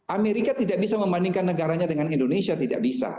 amerika tidak bisa membandingkan negaranya dengan indonesia tidak bisa